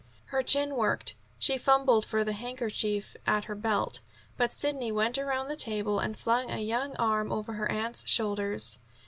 Her chin worked. She fumbled for the handkerchief at her belt. But Sidney went around the table and flung a young arm over her aunt's shoulders.